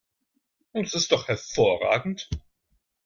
Das ist doch hervorragend!